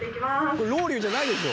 これロウリュじゃないでしょ。